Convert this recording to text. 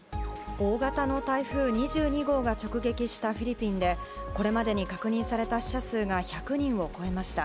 大型の台風２２号が直撃したフィリピンでこれまでに確認された死者数が１００人を超えました。